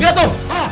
nih di situ